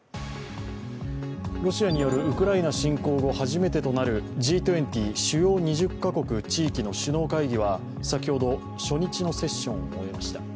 ロシアによるウクライナ侵攻後初めてとなるＧ２０＝主要２０か国・地域の首脳会議は先ほど、初日のセッションを終えました。